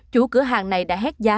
chủ cửa hàng này đã hét giá